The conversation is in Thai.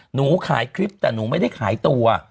หนูขายคลิปแต่หนูไม่ได้ขายตัว